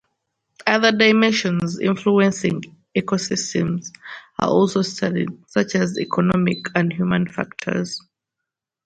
Other dimensions influencing ecosystems are also studied, such as economic and human factors.